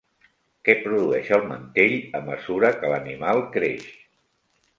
Què produeix el mantell a mesura que l'animal creix?